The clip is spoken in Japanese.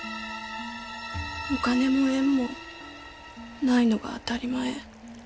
お金も縁もないのが当たり前。